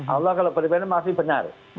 allah kalau beribadah masih benar